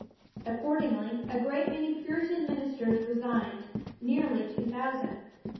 Accordingly, a great many Puritan ministers resigned, nearly two thousand.